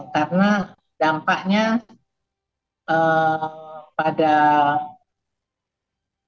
karena dampaknya ya itu tidak bisa dianggur